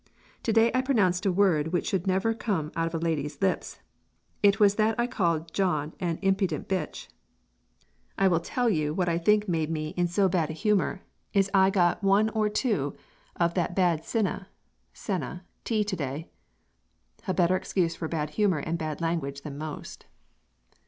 To day I pronounced a word which should never come out of a lady's lips it was that I called John a Impudent Bitch. I will tell you what I think made me in so bad a humor is I got one or two of that bad sina [senna] tea to day," a better excuse for bad humor and bad language than most.